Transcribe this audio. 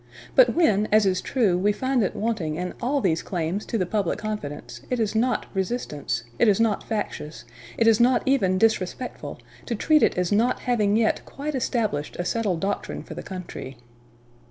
But when, as is true, we find it wanting in all these claims to the public confidence, it is not resistance, it is not factious, it is not even disrespectful, to treat it as not having yet quite established a settled doctrine for the country....